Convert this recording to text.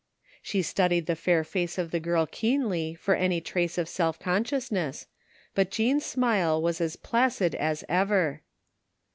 She studied the fair face of the girl keenly for any trace of self consciousness, but Jean's smile was as placid as ever.